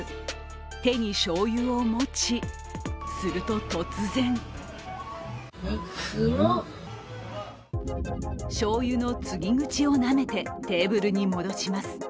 手にしょうゆを持ち、すると、突然しょうゆの注ぎ口をなめてテーブルに戻します。